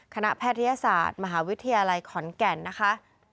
แพทยศาสตร์มหาวิทยาลัยขอนแก่นนะคะ